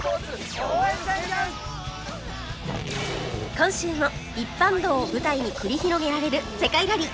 今週も一般道を舞台に繰り広げられる世界ラリー！